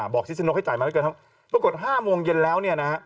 บอกชิดชะนกให้จ่ายมาไม่เกิน๕โมงเย็นแล้วเนี่ยนะ